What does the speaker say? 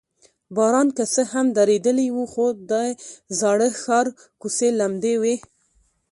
باران که څه هم درېدلی و، خو د زاړه ښار کوڅې لمدې وې.